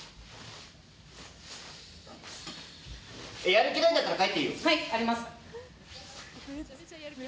やる気ないんだったら帰っていいよ。あります！